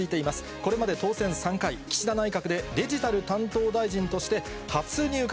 これまで当選３回、岸田内閣でデジタル担当大臣として初入閣。